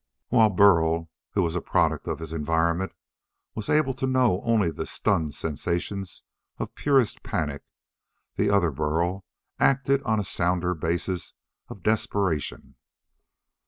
While the Burl who was a product of his environment was able to know only the stunned sensations of purest panic, the other Burl acted on a sounder basis of desperation.